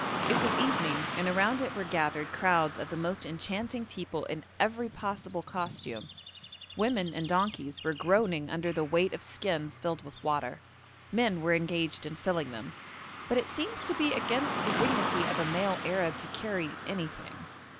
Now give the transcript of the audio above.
It was evening, and around it were gathered crowds of the most enchanting people in every possible costume. Women and donkeys were groaning under the weight of skins filled with water; men were engaged in filling them, but it seems to be against the dignity of a male Arab to carry anything.